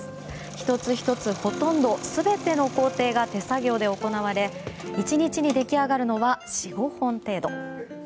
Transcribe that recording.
１つ１つ、ほとんど全ての工程が手作業で行われ１日に出来上がるのは４５本程度。